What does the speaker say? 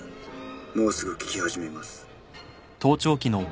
もうすぐ効き始めます。